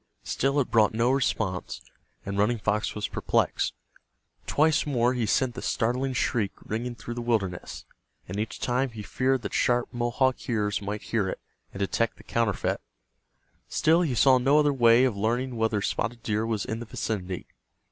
Still it brought no response, and Running Fox was perplexed. Twice more he sent the startling shriek ringing through the wilderness, and each time he feared that sharp Mohawk ears might hear it, and detect the counterfeit. Still he saw no other way of learning whether Spotted Deer was in the vicinity.